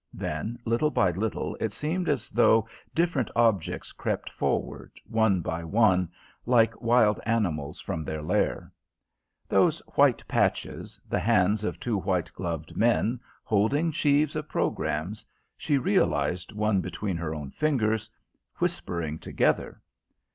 Then, little by little, it seemed as though different objects crept forward, one by one, like wild animals from their lair. Those white patches, the hands of two white gloved men, holding sheaves of programmes she realised one between her own fingers whispering together.